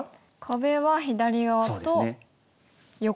壁は左側と横。